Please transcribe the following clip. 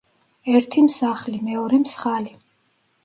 ერთი მსახლი, მეორე მსხალი.